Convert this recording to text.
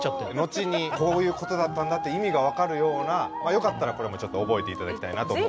後にこういうことだったんだって意味が分かるようなよかったらこれもちょっと覚えて頂きたいなと思ってますけども。